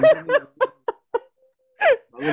mungkin jam lima tuh kan